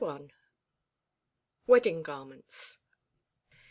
WEDDING GARMENTS.